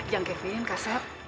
yang kevin kak sab